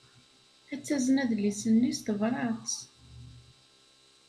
Ad tazen adlis-nni s tebṛat.